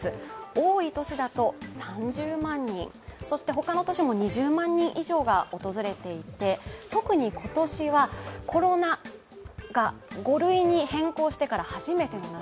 多い年だと３０万人、他の年も２０万人以上が訪れていて、特に今年はコロナが５類に変更してから初めての夏。